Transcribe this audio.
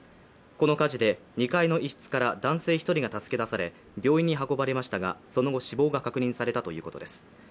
この火事で２階の一室から男性１人が助け出され、病院に運ばれましたが、その後死亡が確認されたということです。